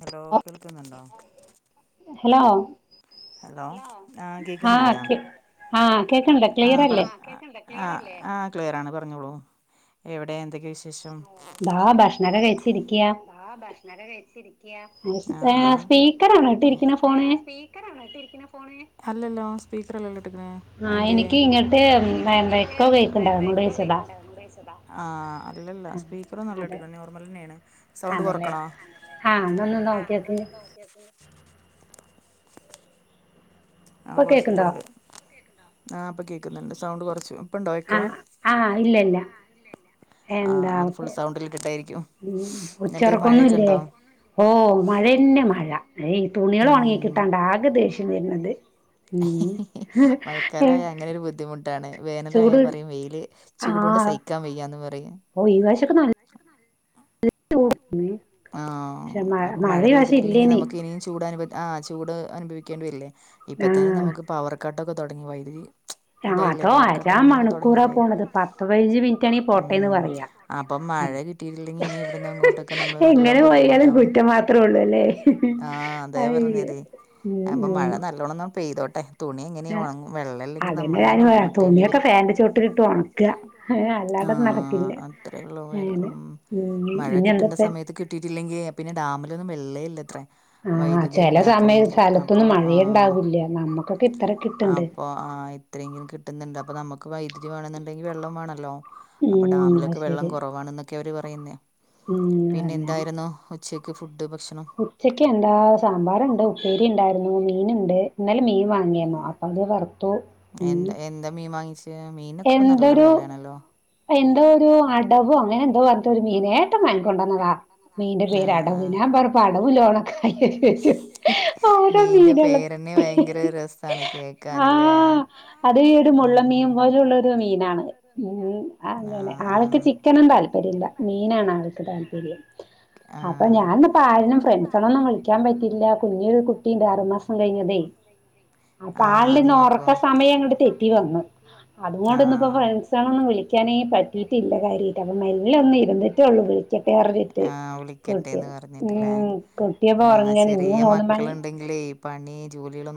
Hello കേൾക്കുന്നുണ്ടോ? Hello hello ആഹ് കേക്കുന്നില്ലയോ? ആഹ പറ കേക്ൻല്ലേ കേക് ഇല്ലേആഹ് ആ ക്ലിയർ ആണ് പറഞ്ഞോളൂ ഇവിടെ എന്തൊക്കെ വിശേഷം? ഭക്ഷ ബാ ഭക്ഷണ കൈച്ചിരിക്കാ സ്പീക്കറാണ് ഇട്ടിരിക്കണ ഫോണ് അല്ലല്ലോ സ്പീക്കർ അല്ലല്ലോ ഇട്ടക്കണെ എന്തെ ആഹ്എനിക്ക് ഇങ്ങട്ട് എക്കോ കേക്കണ്ടാരുന്നു [unintelligible] അല്ലല്ല സ്പീക്കറ നല്ല എടുക്ക നോർമലന്നെയാണ് സൗണ്ട് കൊറക്കണോ? ആഹ് എന്നന്ന നോക്കി ഒക്ക് എ പിന്ന [unintelligible] ആഹ് കൊറച്ചിട്ടണ്ട് ആ അപ്പൊ കേൾക്കുന്നുണ്ട് സൗണ്ട് കുറച്ചു ആഹ് ആഹ് ഇല്ലല്ല എന്താപ്പ ഉം ഉച്ചർക്കൊന്നു ഇല്ലേ? ഓഹ് മഴന്നെ മഴ ഈ തുണികള ഒണങ്ങി കിട്ടാണ്ട ആകെ ദേഷ്യം വര്ണ്ണ്ട് മഴക്കാലായ അങ്ങനെരു ബുദ്ധിമുട്ട് ട്ടാണ് വേനലായയാൽ പറയും വെയിൽ ചൂട്കൊണ്ട് സഹിക്കാൻ വെയ്യാന്ന് പറയും ഓ ഈ വേശൊക്കെ [unintelligible] ആ അപ്പൊ മഴ പെയ്തിട്ടില്ലെങ്കിൽ നമുക്ക് ഇനിയും ചൂടാനു പ ആഹ് ചൂട് അനുഭവിക്കേണ്ടി വരില്ലേ ഇപ്പ തന്നെ നമുക്ക് പവർ കട്ടൊക്കെ തുടങ്ങി വൈദ്യുതി ഇതായില്ലേപ്പ പവർക്കട്ടങ്ങൊക്കെ തുടങ്ങില്ലേ ഉം അപ്പം മഴ കിട്ടിയിട്ടില്ലെങ്കിൽ ഇനി ഇവിടന്ന് അങ്ങോട്ടൊക്കെ നമ്മള് നല്ല ബുദ്ധിമുട്ടാവും ആ അതാ പറഞ്ഞതാ പ്പൊ മഴ നല്ലോണംന്ന പെയ്തോട്ടെ തുണി എങ്ങനെയ വെള്ളല്ലെങ്കിൽ നമ്മളെന്നേ ബുദ്ധിമുട്ടേണ്ടി വരും ആ അത്രയള്ള ഉം മഴ കിട്ടണ്ട സമയത്ത് കിട്ടിയിട്ടില്ലെങ്കിൽ പിന്നെ ഡാമിലൊന്നും വെള്ളേ ഇല്ലത്രെ വൈദ്യുതി ഉണ്ടാക്കണങ്കിൽ അപ്പൊ ആഹ് അപ്പൊ ആ ഇത്രെങ്കിലും കിട്ടുന്നുണ്ട് അപ്പോൾ നമുക്ക് വൈദ്യുതി വേണെന്നുണ്ടെങ്കിൽ വെള്ളം വേണമല്ലോ അപ്പൊ ഡാമിലൊക്കെ വെള്ളം കുറവാണെന്നൊക്കെ അവര് പറയുന്നേ പിന്നെ ഉച്ചയ്ക്ക്െ ഫുഡ് ഭക്ഷണം ഉച്ചക്ക് എന്താ സാമ്പാറണ്ട് ഉപ്പേരി ഉണ്ടായിരുന്നു മീനുണ്ട് ഇന്നലെ മീൻ വാങ്ങിയാരുന്നു അപ്പോം അത് വറുത്തു എന്താ എന്താ മീൻ വാങ്ങിഛെ മീനൊക്കെ ഇപ്പ നല്ല വിലയാണല്ലോ എന്തോ ഒരു അടവോ അങ്ങനെ എന്തോ പറഞ്ഞു ഒരു മീന് ഏട്ടൻ വാങ്ങി കൊണ്ടന്നതാ മീന്റെ പേര് അടവ് ഞാബറയ ഇപ്പ അടവും ലോണൊക്കെ ആയ മീന്റെ പേരന്നെ ഭയങ്കര രസാണ് കേക്കാന ല്ലേ അത് ഈ ഒരു മുള്ള മീൻ പോലെുള്ളരു മീനാണ് ഉമ് ആഹ് അങ്ങനെ ആൾക്ക് ചിക്കനും താല്പര്യം ഇല്ല മീനാണ് ആൾക്ക് താല്പര്യം അപ്പൊ ഞാന്ന് പാരിനിം ഫ്രണ്ട്സണ ഒന്നും വിളിക്കാൻ പറ്റില്ല കുഞ്ഞരു കുട്ടിയീണ്ട് ആറുമാസം കഴിഞ്ഞതേ [unintelligible] അപ്പൊ ആളന്ന് ഉറക്ക സമയം അങ്ങടു തെറ്റി വന്നു അതു കൊണ്ടൊന്നപ്പോ ഫ്രണ്ട്സുകളൊന്നും വിളിക്കാനേ പറ്റീട്ടില്ല കാര്യായിട്ട് അപ്പ മെല്ലൊന്നിർന്ന് എന്നിട്ട് വാണം വിളിക്കട്ടെ പറഞ്ഞിട്ട് മ് കുട്ട്യപ്പോ ഒറങ്ങാണ്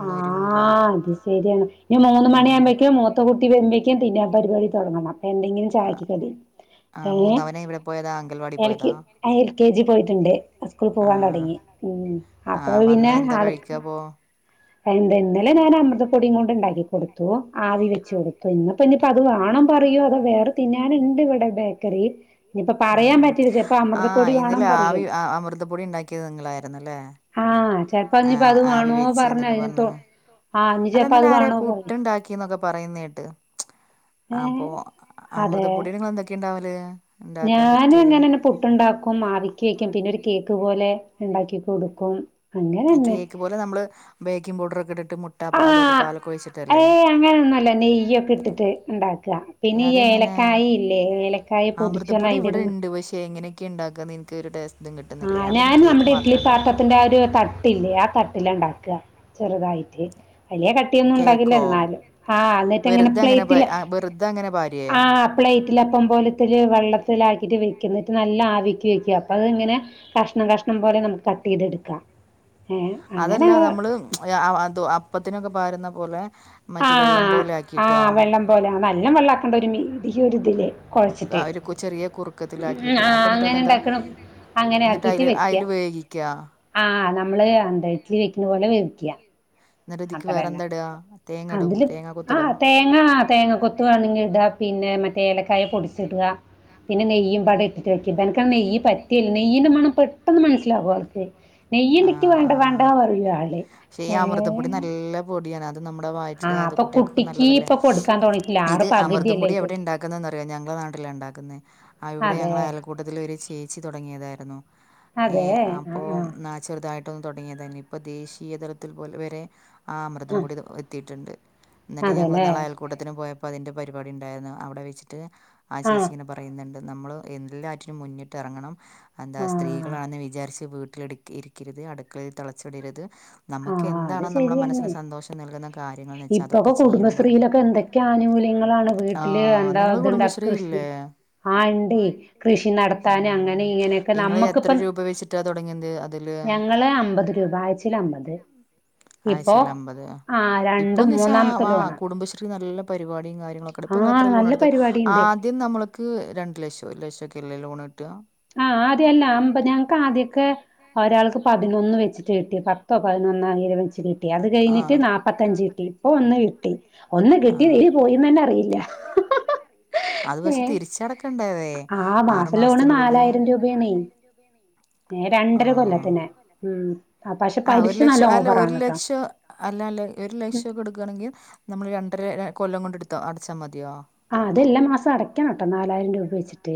ആഹ് അത് ശരിയാണ് ഇനി മൂന്ന് മണി ആകുമ്പോഴേക്ക് മൂത്ത കുട്ടി [unintelligible] തിന്നേ പരിപാടി തുടങ്ങണം എന്തെങ്കിലും ചായക്ക് കടി ഏഹ് എനിക്ക് എൽ കെ ജി പോയിട്ടുണ്ട് സ്കൂള പോവാാൻ തുടങ്ങി ഉമ് അപ്പൊ പിന്നെ ആൾക്ക് ഇന്ത് ഇന്നലെ ഞാൻ അമൃതപ്പൊടിയും കൊണ്ട് ഉണ്ടാക്കി കൊടുത്തു ആവി വെച്ച കൊടുത്തു ഇന്ന് ഇഞ്ഞിപ്പോ അത് വാണം പറയോ അതോ വേറെ തിന്നാന ഇണ്ട് ഇവിടെ ബേക്കറി ഇനിയിപ്പ പറയാൻ പറ്റില്ല ചെലപ്പോ അമൃത പ്പൊടി വേണം പറയും ആഹ് അമൃത പൊടി ഇണ്ടാക്കിയതു നിങ്ങള ആയിരുന്നില്ലേ ആഹ് ചെലപ്പോ ഇനിപ്പോ അത് വേണോ പറഞ്ഞ അതിന് ആഹ് ഇനി ചെപ്പോ അത് വേണോ പറഞ്ഞ ക്കി ന്നൊക്കെ പറയുന്ന കേട്ട് അപ്പൊ അമൃതപ്പൊടി നിങ്ങൾ എന്തൊക്കെയുണ്ടാവല് ഞാനു അങ്ങനെട് പുട്ടുണ്ടാക്കും ആവിക്ക വെക്കും പിന്നെ ഒരു കേക്ക് പോലെ ഉണ്ടാക്കി കൊടുക്കും കേക്ക് പോലെ നമ്മള് ബേക്കിംഗ് പൗഡർ ഒക്കെ ഇട്ടിട്ട് മു- ആഹ് ഏഹ് അങ്ങനെ ഒന്നും അല്ല നെയ്യൊക്കെ ഇട്ടിട്ട് ഉണ്ടാക്ക പിന്നെ ഇ ഏലക്കായ ഇല്ലേ ഏലക്കായ പൊടിച്ചൊന്ന അയിന്റെ ഇടുമ്പ ക്കെ ഉണ്ടാക്കുന്ന എനക്ക് ടെസ്റ്റ്‌ ആഹ് ഞാൻ നമ്മുടെ ഇഡ്ലി പാത്ര ത്തിന്റെ ആ ഒരു തട്ടില്ലേ ആ തട്ടില ഇണ്ടാക്ക ചെറുതായിട്ട് അല്ല ക ന്നും ഉണ്ടകില്ല എന്നാല് ആ എന്നിട്ടങ്ങനെ പ്ലേറ്റില് ആഹ് പ്ലേറ്റി ലപ്പം പോലത്തി വെള്ളത്തിലാക്കിയിട്ട് വയ്ക്കുന്നിട്ട് നല്ല ആവിക്കി വയ്ക്ക അപ്പ അതി ഇങ്ങനെ കഷ്ണം കഷ്ണം പോലെ നമുക്ക് കട്ട് ചെയ്തെടുക്കാം അതല്ല നമ്മള് അത് അപ്പത്തിനൊക്കെ പാരുന്ന പോലെ മറ്റ് വെള്ളം പോലെ ആക്കിട്ടോ പോല നല്ല വെള്ളാക്കണ്ട ഒരു മീ ഒരു ചെറിയ കുറുക്കത്തില ആക്കിട്ട് അപ്പ എന്നിട്ട് അതെന്താ എന്നിട്ട് അയിൽ അയിൽ വേഗിക്ക ആഹ് നമ്മള് അന്താ ഇഡ്ലി വെക്കുന്ന പോലെ വെവിക്ക എന്നിട്ട് ഇതിക്ക് വേറെ എന്ത ട അതില് ആഹ് തേങ്ങ തേങ്ങ കൊത്തുവാണ്ണെങ്കി ഇടാ പിന്നെ മറ്റേ ഏലക്കായ പൊടിച്ചി ഇട പിന്നെ നെയ്യും പട ഇട്ടിട്ട് വെക്കും എനക്ക് നെയ്യ് പറ്റല്ല നെയ്യൻ്റെ മണം പെട്ടെന്ന് മനസിലകും അവർക്ക് നെയ്യ് നിക്കി വേണ്ട വേണ്ട പറയൂ ആള് ഏഹ് അമൃത പൊടി നല്ല പൊടിയന ത് നമ്മടെ വയറ്റിൽ ആയ കുട്ട്യാൾക്കൊക്കെ നല്ലതല്ലേ ഇത് അമൃതം പൊടി എവിടെ ഉണ്ട ുന്നറിയാം ഞങ്ങളുടെ നാട്ടില ഉണ്ടാക്കുന്നത് ആ ഇവിടെ ഞങ്ങള അയൽക്കൂട്ടത്തിൽ വ ചേച്ചി തുടങ്ങിയതായിരുന്നു ഏഹ് അപ്പൊ നാ ചെറുതായിട്ടൊന്നന്ന് തുടങ്ങിയതന്നെ ഇപ്പൊ ദേശീയ തലത്തിൽ പോലെ വരെ ആ അമൃതം പൂടി എത്തിയിട്ടുണ്ട് എന്നിട്ട് ഞങ്ങൾ നാളെ അയൽ കൂട്ടത്തിന് പോയപ്പോൾ അതിന്റെ പരിപാടി ഉണ്ടായിരുന്നു അവിടെ വെച്ചിട്ട് ആ ചേച്ചി ഇങ്ങനെ പ പറയുന്നുണ്ട് നമ്മൾ എല്ലാറ്റിനും മുന്നിട്ട് ഇറങ്ങണം എന്താ സ്ത്രീകളാണെന്ന് വിചാരിച്ച് വീട്ടിലിരി അടുക്കളിൽ തളച്ചടരുത് നമുക്ക് എന്താ അത് ശരിയാണ് ഇപ്പൊക്കെ കുടുംബശ്രീയിലൊക്കെ എന്തൊക്കെ ആനുകൂല്യങ്ങളാണ് വീട്ടില് എന്താ ഇത്ണ്ടാ കൃഷി ആ ഇണ്ടേ കൃഷി നടത്തൻ അങ്ങനെ ഇങ്ങനെയൊക്കെ നമ്മക്കിപ്പം ഞങ്ങള് അമ്പത് രൂപ ആയ്ചീല് അമ്പത് ആഴ്ച്ചൽ അമ്പത് ഇപ്പൊന്ന് വെച്ചാ ആ കുടുംബശ്രീ നല്ല പരിപാടിയും കാര്യങ്ങളൊക്കെ ഇങ്ങ എത്ര ലോൺ എടുത്ത ആദ്യം നമ്മൾക്ക് രണ്ട് ലക്ഷം ഒരു ലക്ഷം ഒക്കെല്ല ലോൺ കിട്ടാ ആഹ് ആദ്യല്ല അമ്പത് ഞങ്ങക്ക് ആദ്യൊക്കെ ഒരാൾക്ക് പതിനൊന്ന് വെച്ചിട്ട് കിട്ടി പത്തോ പതിനൊന്നായിര വെച്ചി കിട്ടി കിട്ടി അത് കഴിഞ്ഞിട്ട് നാപ്പപത്തഞ്ച് കിട്ടി ഇപ്പൊ ഒന്ന് കിട്ടി ഒന്ന് കിട്ടി ഏയ്‌ലെ പോയിന്ന്ന്നെ അറിയില്ല അത് പക്ഷെ തിരിച്ചടക്കണ്ടതെ ആറു മാസത്തിനുള്ളില് രൂപേണെ രണ്ടര കൊല്ലത്തി നേ ഉം ആഹാ ഒരു ലക്ഷം അല്ല ഒരു ലക്ഷം അല്ല അല്ല ഒരു ലക്ഷം കൊടുക്ക യാണെങ്കിൽ നമ്മൾ രണ്ടര കൊല്ലം കൊണ്ട എടുത്തോ അടച്ചാ മതിയോ ആഹാ അതെല്ലാ മാസം അടയ്ക്കണം ട്ടോ നാലായിരം രൂപ വെച്ചിട്ട്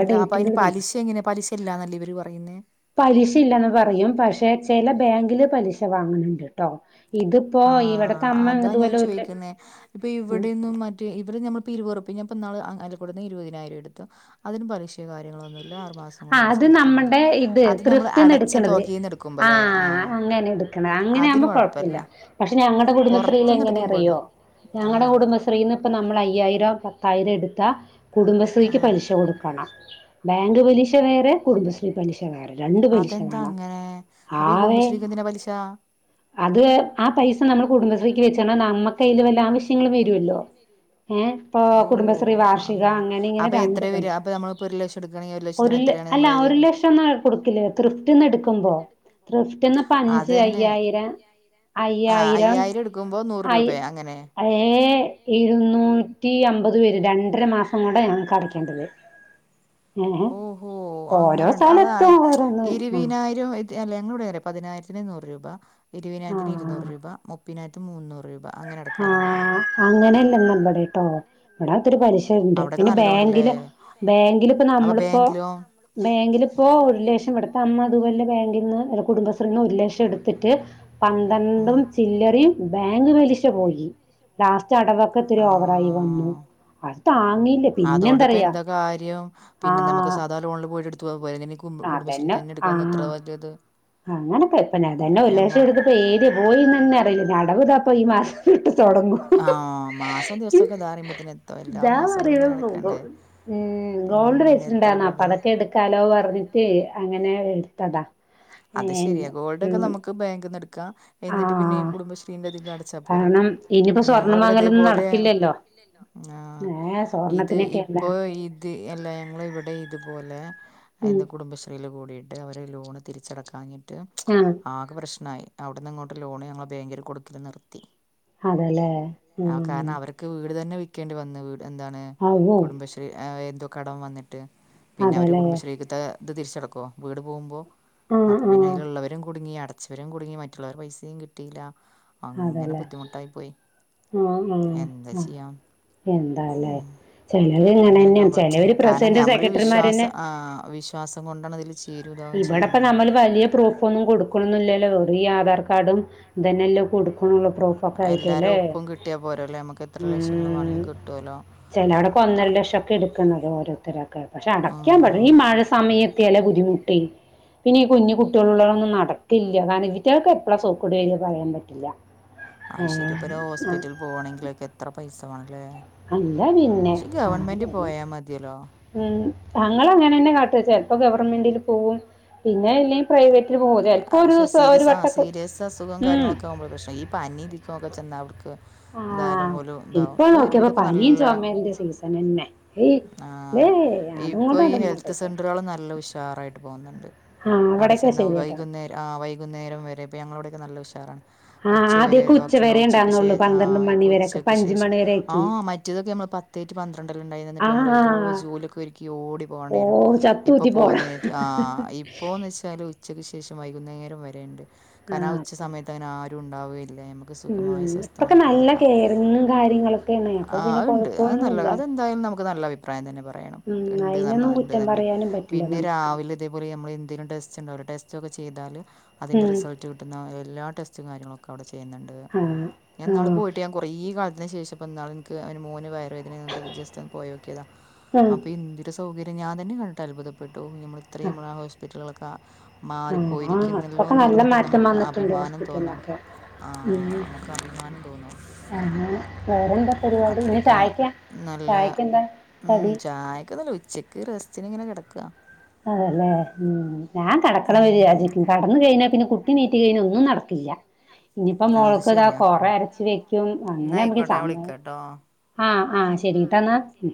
അല്ല അപ്പൊ അയ്ന് പലിശ എങ്ങനെ പലിശല്ലാ നല്ല ഇവര് പറയുന്നേ പലിശ ഇല്ലന്ന് പറയും പക്ഷെ ചില ബാങ്കില് പലിശ വാങ്ങണണ്ട് ട്ടോ ആഹാ അതാ ഞാൻ ചോയ്ക്കുന്നേ ഇപ്പൊ ഇവിടെന്നും മറ്റ ഇവടെ നമ്മൾ ഇരുവറപ്പ ഇപ്പോ ന്നാള് അയൽക്കൂട്ടത്തിന്ന് ഇരുപതിനായിരം എടുത്തു അതിന് പലിശെ കാര്യങ്ങളോൊന്നുല്ല ആറ് മാസം ആ അത് നമ്മടെ ഇത് ത്രിഫ്റ്റ്ന്ന് എടുക്കണത് ആഹ അങ്ങനെ എടു അങ്ങനെ ആകുമ്പോ കുഴപ്പല്ല പക്ഷെ ഞങ്ങടെ കുടുംബശ്രീ ലെ എങ്ങനെ അറിയോ ആഹാ ശ്രീന്ന് ഇപ്പോ നമ്മൾ അയ്യായിരം പത്തായിരം എടുത്താ കുടുംബശ്രീക്ക് പലിശ കൊടുക്കണം ബാങ്ക് പലീശ കുടുംബശ്രീ പലിശ വെറെ രണ്ട് പലിശ വേണം ആവെ അത് ആ പൈസ നമ്മൾ കുടുംബശ്രീക്ക് ആയച്ചന്നാ നമ്മുക്ക് അയ്ൽ വല്ല ആവശ്യങ്ങളും വരുല്ലോ ഏ ഇപ്പൊ കുടുംബശ്രീ വാർഷിക അങ്ങനെ ഇങ്ങനെ രണ്ട് പലിശ പ്പെരു ലക്ഷംടുക്കണങ്കി ഒരു ലക്ഷത്തിന് അല്ല ഒരു ലക്ഷം ഒന്ന് കൊടുക്കില്ലേ ത്രിഫ്‌റ്റ്ന്ന് എടുക്കുമ്പോ ത്രിഫ്റ്റ്ന്ന്പ്പ അഞ്ച് അയ്യായിര അയ്യായിരം മ്പൊ നൂറ് രൂപയാ അങ്ങനെ അഏ ഇരുന്നു ന്നൂറ്റി അമ്പത് വരും രണ്ടര മാസം കൊണ്ടാ ഞങ്ങക്ക് അടക്കേണ്ടത് ഏ ഓ അങ്ങനെണ്ട് അതാണ് ഇരുവിനായിരം അല്ല ഞങ്ങൾ ഇവിടെ പതിനായിരത്തിന് നൂറ് രൂപ ഇരുതിനായിരത്തിന് ഇരുന്നൂറ് രൂപ മുപ്പതിനായിരത്തിന് മുന്നൂറ് രൂപ ആഹാ അങ്ങനെയല്ല ന്നപടെട്ടോ ഇവിട അത്തൊരു പരിശ ണ്ട് പിന്നെ ബാങ്കില് ബാങ്കിലിപ്പോ നമ്മളിപ്പോ ബാങ്കിലിപ്പോ ഒരു ലക്ഷം ഇവിടുത്തെ അമ്മ അതുപോലെ ബാങ്കിൽ നിന്ന് കുടുംബശ്രീന്ന് ഒരു ലക്ഷം എടുത്ത ത്തിട്ട് പന്ത്രണ്ടും ചില്ലറിയും ബാങ്ക് പലിശ പോയി ലാസ്റ്റ് അത് താങ്ങയില്ലേ പിന്നെ എന്താ പറയാ ആഹ അതന്നെ ആഹ അങ്ങനൊക്കെ ഇപ്പന്നെ അതന്നെ ഉല്ലാസം എടുത്തപ്പോഏ പോയിന്നെ അറിയില്ല ആഹ മാസം ദിവസൊക്കെ ഇതാറിയുമ്പോത്തിന് എത്തും എല്ലാ മാസവും ഇത് ഇങ്ങനെ അടക്കണ്ടേ ഉം ഗോൾഡ് റൈസ് ഉണ്ടന്നോ അപ്പൊ അതൊക്കെ എടുക്ക കലോ [unintelligible] അങ്ങനെ എടുത്തതാ അത് ശെരിയാ ഗോൾഡ് ഒക്കെ നമുക്ക് ബാങ്കിന്ന് എടുക്കാം എന്നിട്ട് പിന്നെ ഈ കുടുംബശ്രീന്റെ ഇതിന്ന് അടച്ചാ പോരെ ഞങ്ങളവിടെ ഇതേപോലെ [unintelligible] ആഹ് ഇത് ഇപ്പൊ ഇ ത് എല്ല ഞങ്ങള് ഇവിടെ ഇതുപോലെ എഹ് കുടുംബശ്രീയിൽ കൂടിയിട്ട് അവര് ലോൺ തിരിച്ചട കാഞ്ഞിട്ട് ഞ്യാന് ആക പ്രശ്നായി അവിടുന്ന് ഇങ്ങോട്ട് ലോണ് ഞങ്ങൾ ബാങ്കിൽ കൊടുക്കൽ നിർത്തി ആഹ് കാരണം അവർക്ക് വീട് തന്നെ വിൽക്കേണ്ടി വന്ന് വീട് എന്താണ് കുടുംബശ്രീ ഏഹ് എന്തൊ കടം വന്നിട്ട് പിന്നെ അവർ കുടുംബശ്രീത്തെ ഇത് തിരിച്ചടക്കോ വീട് പോകുമ്പോ അപ്പൊ പിന്നെ അതിലുള്ളവരും കുട്ങ്ങി അടച്ചവരും കുട്ങ്ങി മറ്റുള്ളൊവരെ പൈസയും കിട്ടീലാ അങ്ങനെ ബുദ്ധിമുട്ടായി പോയി മ്മമ്‌മ്എന്താലേ ചെലവ് ഇങ്ങെനന്നെ ചെലവര് പ്രസന്റും സെക്രട്ട്റി മ്മാരന്നെ പാസം കൊണ്ടാണ് അതിൽ ചേരുതോതാവും ചെയ്യുന്നത് വലിയ പ്രൂഫൊന്നും കൊടുക്ക്ണൊന്നുല്ലല്ലോ ഈ ആധാർകാർഡും ഇതന്നെല്ലേ കൊടുക്കണള്ളൂ പ്രൂഫ് എല്ലാരേം ഒപ്പും കിട്ടിയാ പോരല്ലേ നമ്മക്ക് എത്ര ലക്ഷങ്ങള് വേണെങ്കിലും കിട്ടോല്ലോ ചെലോടെ ഒന്നര ലക്ഷം ഒക്കെ ഇടും ക്കുന്നത് ഓരോരുത്തരാക്ക. പക്ഷേ അടക്കാ പണി ഈ മഴ സമയത്ത് എലാംബുദ്ധിമുട് പിന്നെ ഈ കുഞ്ഞു കുട്ടികളുള്ളൊടൊന്നും നടക്കില്ല കാരണം ഇവറ്റൾക്ക് എപ്പഴാ സോക്കട് വെര പറയാൻ പറ്റൂല്ല അഹ് ശെരി പ്പൊ ഒരു ഹോസ്പിറ്റല് പോവാണെങ്കിലൊക്കെ എത്ര പൈസ വണല്ലേ? ക്ഷെ ഗവൺമെന്റി പോയാ മതിയല്ലോ. ഉം അങ്കള് അങ്ങെനെ തന്നെ കാട്ട ചെല്പ്പോ ഗവർമെന്റിൽ പോവും പിന്നെ ഇൻ അഹ്ക്ഷെ സീരിയസ് ആ സീരിയസ് അസുഖം കാര്യങ്ങളൊക്കെ ആവുമ്പോ പ്രശ്നാ പ്പനി ഇതൊക്കെ ചെന്ന അവ്ട്ക്ക് എന്തായാലും ഓലുതാവുംഇപ്പൊ ഒരുവിതൊക്കെ നല്ലാ ആഹ് ഇപ്പൊ ഈ ഹെൽത്ത് സെന്റ്റ്കൾ നല്ലെ ഉഷാറായിട്ട് പോവ്ന്നുണ്ട് അവിടെ ചെന്ന വൈകുന്നേരം ആഹ് വൈകുന്നേരം വരെ ഇപ്പൊ, ഞങ്ങളവിടെയൊക്കെ നല്ലെ ഉഷാറാണ് ഉച്ച വരെ ഡോക്ടർണ്ടാവും ഉച്ചക്ക് ശേ ആഹ് ഇപ്പൊ ഉച്ചക്ക് ശേഷം ആഹ് മറ്റേതൊക്കെ നമ്മള് പത് പത്തേ റ്റു പന്ത്രെണ്ടല്ലേ ഇണ്ടായിഞ്ഞേ എന്നിട്ട് നമ്മള് എല്ലോജോലിയൊക്കെ ഒരുക്കിഓടി പോവെണ്ടായിരുന്നു. ഇപ്പൊ പോകുന്നേഏറ്റ് ആ ഇപ്പോ ഇപ്പോന്ന് വെച്ചാല് ഉച്ചക്ക് ശേഷം വൈകുന്നേരം വരേണ്ട്. കാരണം, ആഹ് ഉച്ച സമയത്ത് അങ്ങെനെ ആരുണ്ടാ ഉണ്ടാവുകേയില്ല. സുഖമായി സ്വസ്ഥത മായി ഇതാക്ക ആഹ് അഹ്ണ്ട് ആ നല്ലെ അതെന്തായാലും നമ് ക്ക് നല്ലെ അഭിപ്രായം തന്നെ പറെയണം ഇണ്ട് ന്ന ഇണ്ട് തന്നേ പിന്നെ രാവിലെ അതേ പോലെ നമ്മെള് എന്തിനും ടെസ്റ്റ് ഇണ്ടാവൂലെ ടെസ്റ്റ് ഒക്കെ ചെയ്താൽ അതിന്റെ റിസൾ ട്ട് കിട്ടുന്ന എല്ലാ ടെസ്റ്റ് കാര്യങ്ങളുമൊക്കെ അവിടെ ചെയ്യ്ന്നുണ്ട് ഞാൻ ഇന്നാള് പോയിട്ട് കൊറേ ഇപ്പ ഈ കാലത്തിന് ശേഷംപ്പഇന്നാള് ഇൻക്ക് മോന് വയർ വേദനേർഞ്ഞിട്ട് ജസ്റ്റ് ഒ ന്നു പോയോക്കിയതാ അപ്പൊ എന്തൊരു സൗകര്യം, ഞാൻ തന്നെ കണ്ടിട്ട് അത്ഭുതപ്പെട്ടു നമ്മിള് ഇത്രെയും ആഹ് ഹോസ് പിറ്റലുകളൊക്കെ മാറിപ്പോയിരിക്ക്യുന്നല്ലോന്ന് ഓർത്തിട്ട് നമ്മക്ക് അഭിമാനം തോന്നാം ആഹ് അമ്മക്ക് അഭിമാനം തോന്നും അങ്ങനെ വേറെന്താ പരിപാടി. ഇന്ന് ചായക്ക്യാ ചായക്കെന്താ? ഉം ചായക്ക്ന്നല്ല ഉച്ചക്ക് റെസ്റ്റിന് ഇങ്ങനെ കെടക്കാ അതല്ലേ ഉം ഞാൻ കെടക്കണഒരിയതിര് യാചിക്കുന്നു കെടന്ന് കഴിഞ്ഞാ പിന്നെ കുട്ടി നീറ്റ്കഴിഞ്ഞാ ഒന്നും നടക്കില്ല ഇഞ്ഞിപ്പോ മോൾക്ക് ഇതാ കൊറേ അരച് വെക്കും അങ്ങനെ അമ്മക്ക്‌ സമേയ ആഹ് ആഹ് ശെരിട്ടാ എന്നാ ഉം